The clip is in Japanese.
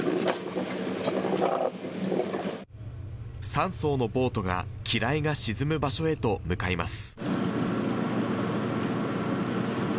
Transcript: ３そうのボートが機雷が沈む場所へと向かいます。